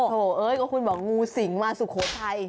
โถเอ้ยก็คุณบอกงูสิงมาสุโขทัย